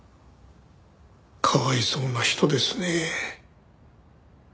かわいそうな人ですね。